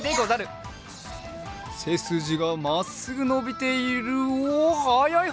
せすじがまっすぐのびているおおはやいはやい。